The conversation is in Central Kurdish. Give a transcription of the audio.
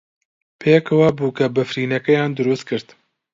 پێکەوە بووکەبەفرینەیەکیان دروست کرد.